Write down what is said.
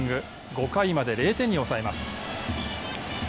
５回まで０点に抑えます。